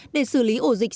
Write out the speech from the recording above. để xử lý ổ dịch